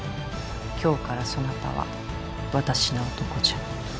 今日からそなたは私の男じゃ。